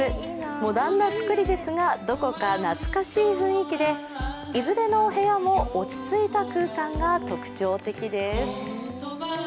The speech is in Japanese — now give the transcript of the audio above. モダンな造りですがどこか懐かしい雰囲気でいずれのお部屋も落ち着いた空間が特徴的です。